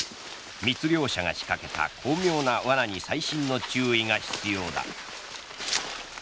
密猟者が仕掛けた巧妙なわなに細心の注意が必要だ。